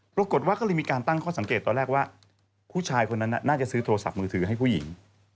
ปรากฏว่าก็เลยมีการตั้งข้อสังเกตตอนแรกว่าผู้ชายคนนั้นน่าจะซื้อโทรศัพท์มือถือให้ผู้หญิง